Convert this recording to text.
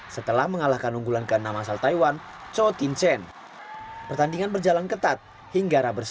setelah mengalahkan unggulan kena masal taiwan